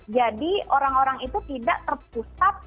jadi orang orang itu tidak terpusat